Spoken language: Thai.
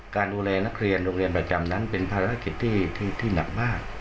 การดูแลนักเรียนโรงเรียนประจำนั้นเป็นภารกิจที่หนักมาก